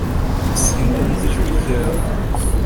sinkunda ijwi ryawe